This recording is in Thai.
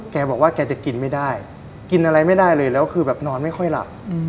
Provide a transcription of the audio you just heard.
แกบอกว่าแกจะกินไม่ได้กินอะไรไม่ได้เลยแล้วคือแบบนอนไม่ค่อยหลับ